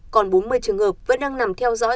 còn bốn mươi trường hợp vẫn đang nằm theo dõi